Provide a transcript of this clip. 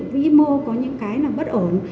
ví mô có những cái là bất ổn